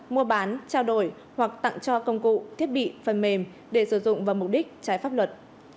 mua bán trao đổi hoặc tặng cho công cụ thiết bị phần mềm để sử dụng vào mục đích trái pháp luật